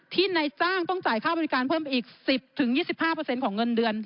ในจ้างต้องจ่ายค่าบริการเพิ่มไปอีก๑๐๒๕ของเงินเดือน